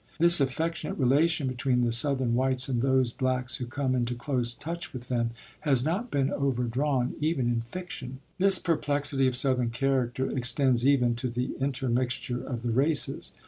This affectionate relation between the Southern whites and those blacks who come into close touch with them has not been overdrawn even in fiction. This perplexity of Southern character extends even to the intermixture of the races.